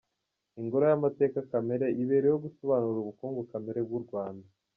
Ingoro y’Amateka Kamere ibereyeho gusobanura ubukungu kamere bw’u Rwanda.